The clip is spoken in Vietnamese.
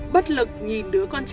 bất lực nhìn đứa con trai